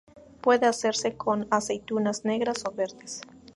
Puede hacerse con aceitunas negras o verdes.